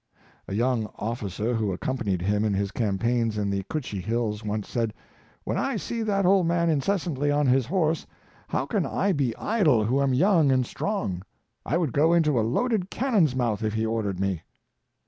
A young officer who accompanied him in his campaigns m the Cutchee Hills, once said, " When I see that old man incessantly on his horse, how can I be idle who am young and strong? I would go into a loaded cannon's mouth if he ordered me."